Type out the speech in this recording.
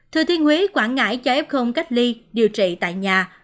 thừa thiên huế quảng ngãi cho f cách ly điều trị tại nhà